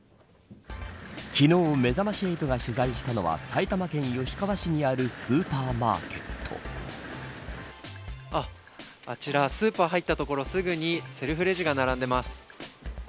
昨日めざまし８が取材したのは埼玉県吉川市にあるあちらスーパー入った所すぐにセルフレジが並んでいます。